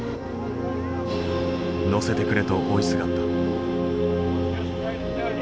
乗せてくれと追いすがった。